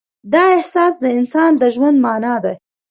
دا احساس د انسان د ژوند معنی ده.